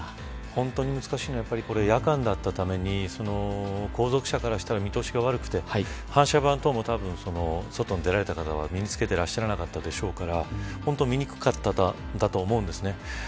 本当に難しいのは夜間だったために後続車からしたら見通しが悪くて反射板等も外に出られた方は身に着けていらっしゃらなかったでしょうから本当に見にくかったと思うんです。